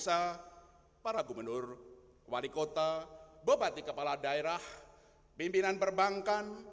salam salam sejahtera bagi kita semuanya